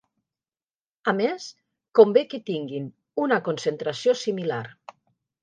A més, convé que tinguin una concentració similar.